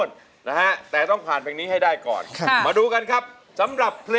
รอโอกาสอยู่รอจังหวะอยู่